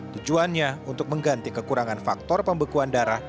tujuannya untuk mengganti kekurangan faktor pembekuan darah